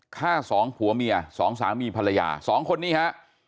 ฆ่าสองผัวเมียสองสามีภรรยาสองคนนี้ฮะ